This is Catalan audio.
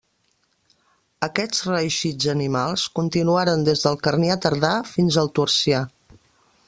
Aquests reeixits animals continuaren des del Carnià tardà fins al Toarcià.